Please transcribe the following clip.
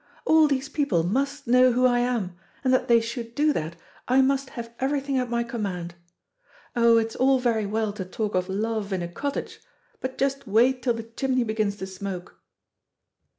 "All these people must know who I am, and that they should do that, I must have everything at my command. Oh, it's all very well to talk of love in a cottage, but just wait till the chimney begins to smoke."